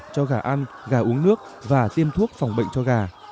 cho gà ăn gà uống nước và tiêm thuốc phòng bệnh cho gà